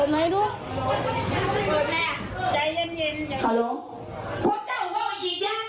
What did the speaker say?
มาคอยคอยที่เจ้าเก็บกำรวด